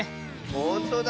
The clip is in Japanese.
ほんとだ。